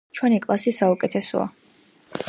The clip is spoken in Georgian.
ჩვენი კლასი საუკეთესოა